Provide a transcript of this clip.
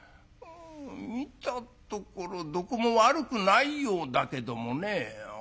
見たところどこも悪くないようだけどもね」。